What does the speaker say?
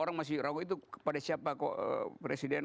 orang masih ragu itu kepada siapa kok presiden